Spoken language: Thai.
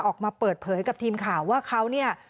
ออกมาเปิดเผยกับทีมข่าวว่าเขาเนี่ย